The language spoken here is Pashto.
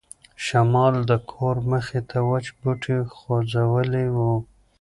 شمال د کور مخې ته وچ بوټي خوځولي وو.